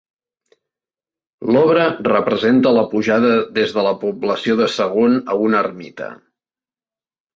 L'obra representa la pujada des de la població de Sagunt a una ermita.